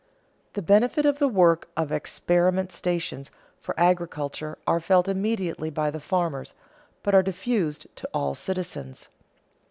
The benefits of the work of experiment stations for agriculture are felt immediately by the farmers, but are diffused to all citizens.